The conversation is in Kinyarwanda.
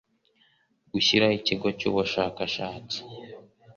Gushyiraho Ikigo cy Ubushakashatsi